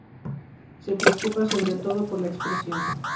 Se preocupa, sobre todo, por la expresión.